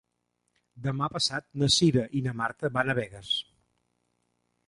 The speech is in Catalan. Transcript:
Demà passat na Cira i na Marta van a Begues.